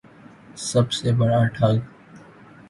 سب سے بڑا ٹھگ